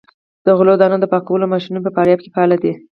د غلو دانو د پاکولو ماشینونه په فاریاب کې فعال دي.